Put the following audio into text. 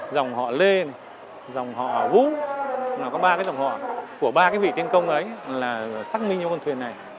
dòng họa lê dòng họa vũ là có ba cái dòng họa của ba cái vị tiên công ấy là sắc minh cho con thuyền này